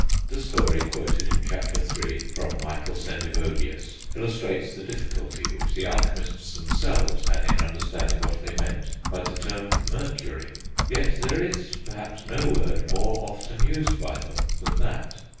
The story quoted in Chapter III., from Michael Sendivogius, illustrates the difficulty which the alchemists themselves had in understanding what they meant by the term Mercury; yet there is perhaps no word more often used by them than that.